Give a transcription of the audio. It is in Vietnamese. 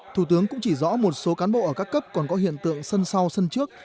thủ tướng cũng chỉ rõ một số cán bộ ở các cấp còn có hiện tượng sân sau sân trước